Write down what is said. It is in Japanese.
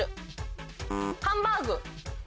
ハンバーグ。